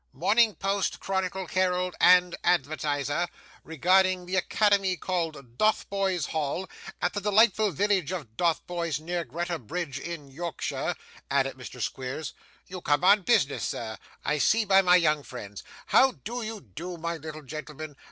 ' Morning Post, Chronicle, Herald, and Advertiser, regarding the Academy called Dotheboys Hall at the delightful village of Dotheboys, near Greta Bridge in Yorkshire,' added Mr. Squeers. 'You come on business, sir. I see by my young friends. How do you do, my little gentleman?